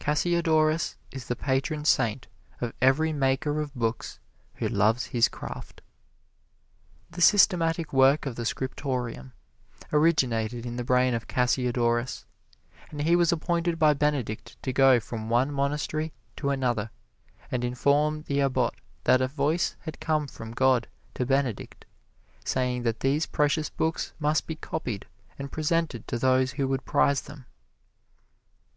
Cassiodorus is the patron saint of every maker of books who loves his craft. The systematic work of the scriptorium originated in the brain of Cassiodorus, and he was appointed by Benedict to go from one monastery to another and inform the Abbot that a voice had come from God to Benedict saying that these precious books must be copied, and presented to those who would prize them.